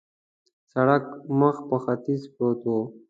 سړک مخ پر ختیځ پروت و.